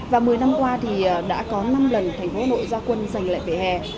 và một mươi năm qua thì đã có năm lần thành phố hà nội gia quân dành lệnh